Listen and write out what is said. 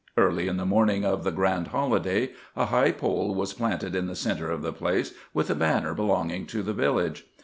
Early in the morning of the grand holiday, a high pole was planted in the centre of the place, with a banner belonging to the village.